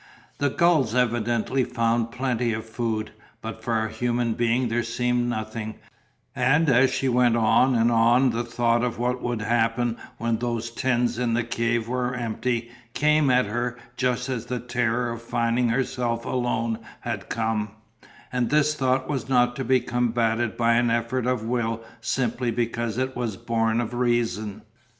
The gulls evidently found plenty of food. But for a human being there seemed nothing, and as she went on and on the thought of what would happen when those tins in the cave were empty came at her just as the terror of finding herself alone had come, and this thought was not to be combated by an effort of will simply because it was born of Reason.